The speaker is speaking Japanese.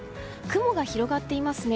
雲が広がっていますね。